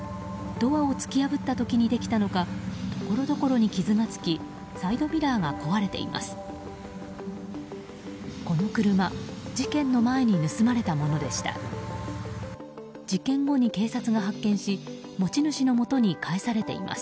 ドアを突き破った時にできたのかところどころに傷がつきサイドミラーが壊れています。